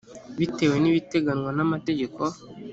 bitewe n ibiteganywa n amategeko